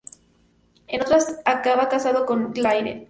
En otras, acaba casado con Lynette.